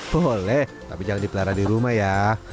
boleh tapi jangan dipelara di rumah ya